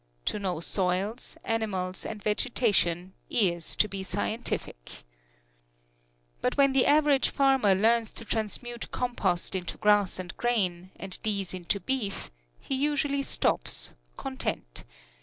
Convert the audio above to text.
To know soils, animals and vegetation is to be scientific. But when the average farmer learns to transmute compost into grass and grain, and these into beef, he usually stops, content.